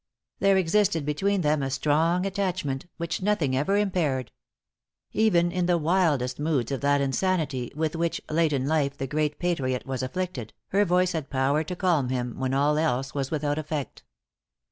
There existed between them a strong attachment, which nothing ever impaired. Even in the wildest moods of that insanity, with which, late in life the great patriot was afflicted, her voice had power to calm him, when all else was without effect.